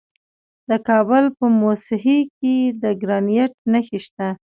د کابل په موسهي کې د ګرانیټ نښې شته.